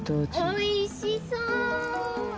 「おいしそん」